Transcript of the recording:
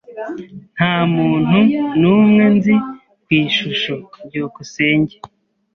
Nta muntu n'umwe nzi ku ishusho. byukusenge